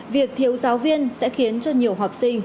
việc thiếu giáo viên sẽ khiến cho nhiều học sinh